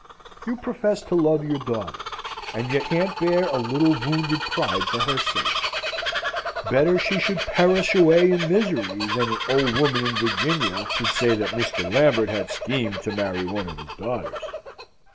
You profess to love your daughter, and you can't bear a little wounded pride for her sake. Better she should perish away in misery, than an old woman in Virginia should say that Mr. Lambert had schemed to marry one of his daughters.